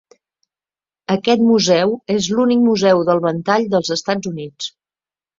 Aquest museu és l'únic museu del ventall dels Estats Units.